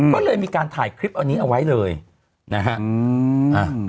ก็เลยมีการถ่ายคลิปอันนี้เอาไว้เลยนะฮะ